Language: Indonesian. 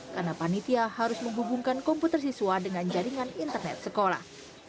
karena panitia harus menghubungkan komputer siswa dengan jaringan internet sekolah